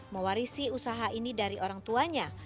mewarisi usaha ini dari orang tuanya